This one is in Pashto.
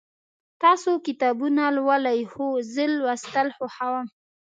تاسو کتابونه لولئ؟ هو، زه لوستل خوښوم